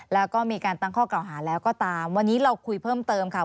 แล้วก็มีการตั้งข้อเก่าหาแล้วก็ตามวันนี้เราคุยเพิ่มเติมค่ะ